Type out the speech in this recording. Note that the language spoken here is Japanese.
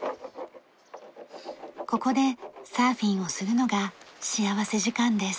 ここでサーフィンをするのが幸福時間です。